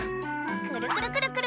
くるくるくるくる！